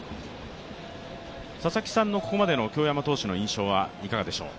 佐々木さんのここまでの京山投手の印象はいかがでしょう？